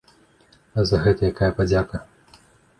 А за гэта якая падзяка?